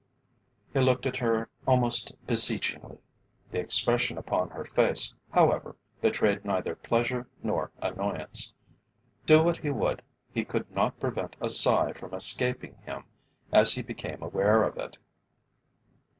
He looked at her almost beseechingly; the expression upon her face, however, betrayed neither pleasure nor annoyance. Do what he would, he could not prevent a sigh from escaping him as he became aware of it.